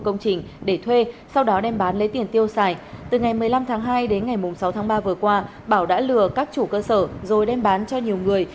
công trình để thuê sau đó đem bán lấy tiền tiêu xài từ ngày một mươi năm tháng hai đến ngày sáu tháng ba vừa qua bảo đã lừa các chủ cơ sở rồi đem bán cho nhiều người